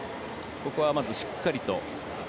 ここはまず、しっかりと。